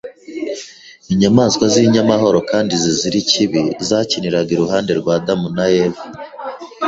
Inyamaswa z’inyamahoro kandi zizira ikibi zakiniraga iruhande rwa Adamu na Eva